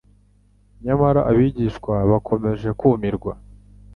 Nyamara, abigishwa bakomeje kumirwa.